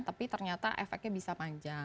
tapi ternyata efeknya bisa panjang